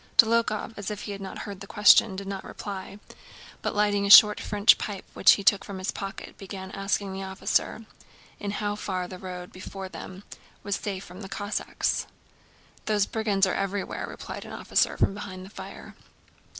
Dólokhov, as if he had not heard the question, did not reply, but lighting a short French pipe which he took from his pocket began asking the officer in how far the road before them was safe from Cossacks. "Those brigands are everywhere," replied an officer from behind the fire.